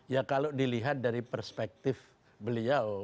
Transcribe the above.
ya kalau dilihat dari perspektif beliau